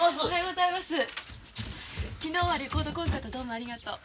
昨日はレコードコンサートどうもありがとう。